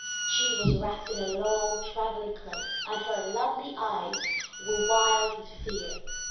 She was wrapped in a long travelling cloak, and her lovely eyes were wild with fear.